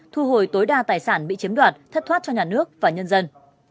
thu hồi tối đa tài sản bị chiếm đoạt thất thoát cho nhà nước và nhân dân